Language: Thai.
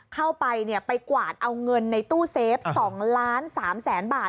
เข้าไปไปกวาดเอาเงินในตู้เซฟ๒ล้าน๓แสนบาท